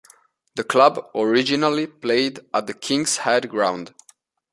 The club originally played at the King's Head Ground.